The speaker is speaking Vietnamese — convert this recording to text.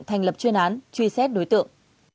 thành lập chuyên án truy xét đối tượng